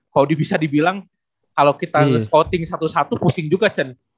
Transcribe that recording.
kalau bisa dibilang kalau kita scouting satu satu pusing juga cen